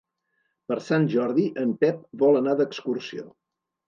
Per Sant Jordi en Pep vol anar d'excursió.